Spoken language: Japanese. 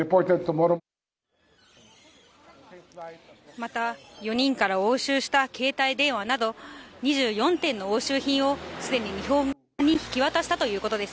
また、４人から押収した携帯電話など、２４点の押収品をすでに日本に引き渡したということです。